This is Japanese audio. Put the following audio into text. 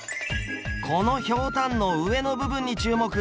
このひょうたんの上の部分に注目。